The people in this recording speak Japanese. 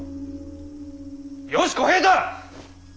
よし小平太！